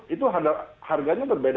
itu harganya berbeda